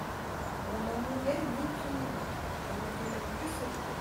On n'en mourait ni plus ni moins … On était même plus solide.